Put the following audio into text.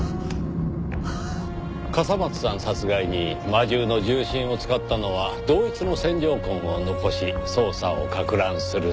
笠松さん殺害に魔銃の銃身を使ったのは同一の線条痕を残し捜査を攪乱するため。